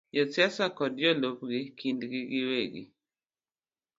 Josiasa kod jolupgi kindgi giwegi,